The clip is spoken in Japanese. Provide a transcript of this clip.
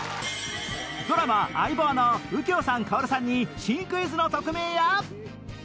ドラマ『相棒』の右京さん薫さんに新クイズの特命や